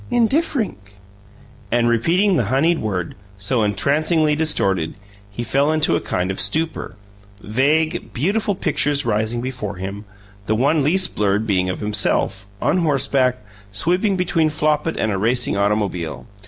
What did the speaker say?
"Indifferink!" And, repeating the honeyed word, so entrancingly distorted, he fell into a kind of stupor; vague, beautiful pictures rising before him, the one least blurred being of himself, on horseback, sweeping between Flopit and a racing automobile.